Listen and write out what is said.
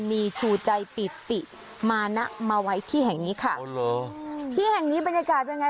นีชูใจปิติมานะมาไว้ที่แห่งนี้ค่ะอ๋อเหรอที่แห่งนี้บรรยากาศเป็นไง